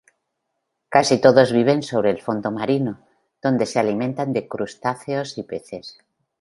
Casi todos viven sobre el fondo marino, donde se alimentan de crustáceos y peces.